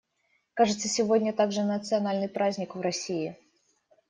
Кажется, сегодня также национальный праздник в России.